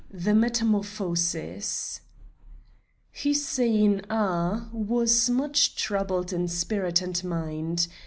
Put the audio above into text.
THE METAMORPHOSIS Hussein Agha was much troubled in spirit and mind.